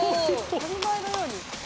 当たり前のように。